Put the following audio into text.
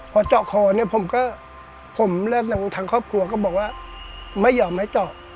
พอจอกเคาะนี่สงสัยและครอบครัวก็บอกว่าไม่ยอมให้เจาะ